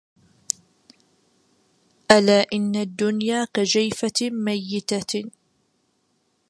ألا إنما الدنيا كجيفة ميتة